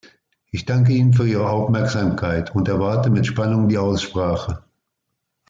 Ich danke Ihnen für Ihre Aufmerksamkeit und erwarte mit Spannung die Aussprache.